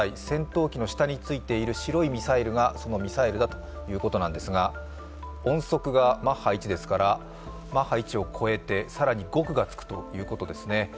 戦闘機の下についている白いミサイルがそのミサイルだということなんですが、音速がマッハ１ですから、マッハ１を超えて、さらに「極」がつくということですね。